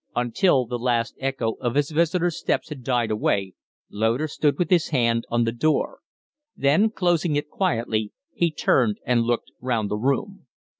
Until the last echo of his visitor's steps had died away Loder stood with his hand on the door; then, closing it quietly, he turned and looked round the room.